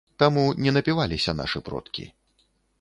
Таму не напіваліся нашы продкі.